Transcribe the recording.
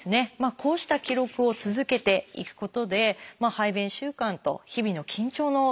こうした記録を続けていくことで排便習慣と日々の緊張の度合い